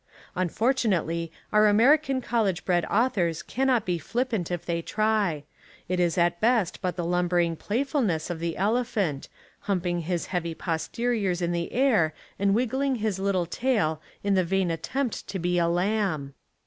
Unfortunately our American college bred authors cannot be flippant if they try: it is at best but the lumber ing playfulness of the elephant, humping his heavy posteriors in the air and wiggling his little tail in the vain attempt to be a lamb.